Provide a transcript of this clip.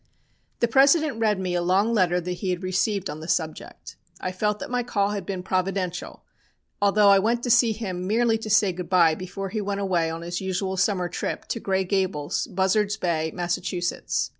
"The President read me a long letter that he had received on the subject. I felt that my call had been providential, although I went to see him merely to say good bye before he went away on his usual summer trip to Gray Gables, Buzzards Bay, Massachusetts.